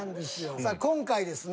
さあ今回ですね